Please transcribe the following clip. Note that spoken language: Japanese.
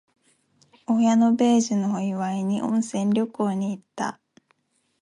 親の米寿のお祝いに、温泉旅行に行った。